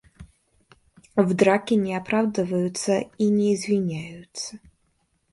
В драке не оправдываются и не извиняются.